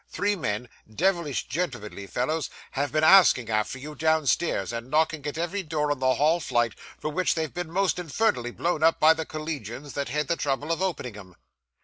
Three men devilish gentlemanly fellows have been asking after you downstairs, and knocking at every door on the hall flight; for which they've been most infernally blown up by the collegians that had the trouble of opening 'em.